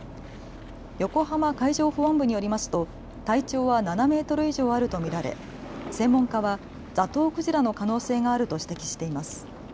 横浜海上保安部によりますと体長は７メートル以上あると見られ専門家はザトウクジラの可能性があると指摘しています。